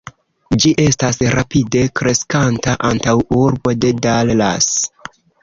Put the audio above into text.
Ĝi estas rapide kreskanta antaŭurbo de Dallas.